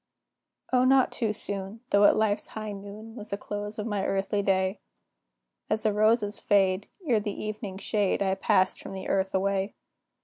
O, not too soon, though at life's high noon, Was the close of my earthly day; As the roses fade, ere the evening shade, I passed from the earth away.